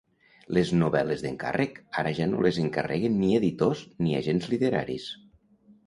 Les novel·les d'encàrrec ara ja no les encarreguen ni editors ni agents literaris.